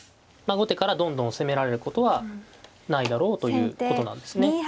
後手からどんどん攻められることはないだろうということなんですね。